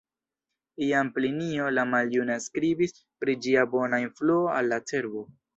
Jam Plinio la Maljuna skribis pri ĝia bona influo al la cerbo.